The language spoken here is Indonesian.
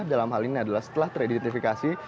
dalam hal ini adalah setelah teridentifikasi